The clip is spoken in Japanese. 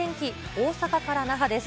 大阪から那覇です。